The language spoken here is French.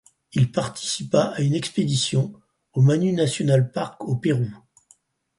Il participa à une expédition au Manu National Park au Pérou.